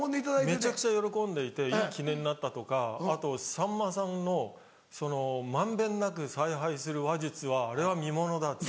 めちゃくちゃ喜んでいていい記念になったとかあとさんまさんのその満遍なく采配する話術はあれは見ものだって。